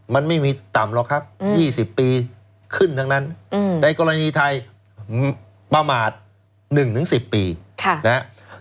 มันไม่มีต่ำหรอกครับ๒๐ปีขึ้นทั้งนั้นในกรณีไทยประมาท๑๑๐ปีนะครับ